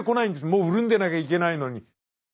もう潤んでなきゃいけないのに。